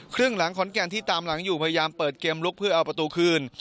ครึ่งหลังขอนแก่นที่ตามหลังอยู่พยายามเปิดเกมลุกเพื่อเอาประตูคืน